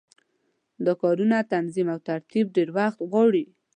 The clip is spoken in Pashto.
دا کارونه تنظیم او ترتیب ډېر وخت غواړي.